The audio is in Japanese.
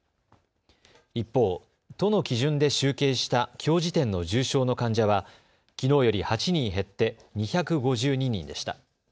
一方、都の基準で集計したきょう時点の重症の患者はきのうより８人減って２５２人でした。